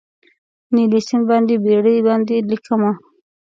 نیلي سیند باندې بیړۍ باندې لیکمه